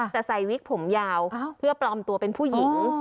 แต่ใส่วิกผมยาวเพื่อปลอมตัวเป็นผู้หญิง